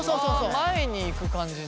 前に行く感じだ。